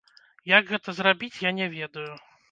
Як гэта зрабіць, я не ведаю.